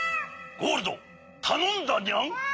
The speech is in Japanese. ゴールドたのんだにゃん。